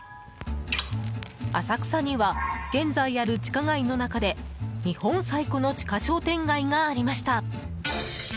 浅草には、現在ある地下街の中で日本最古の地下商店街がありました。